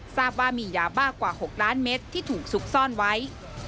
ทราบว่ามียาบ้ากว่า๖ล้านเมตรที่ถูกซุกซ่อนไว้